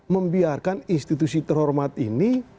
membiarkan institusi terhormat ini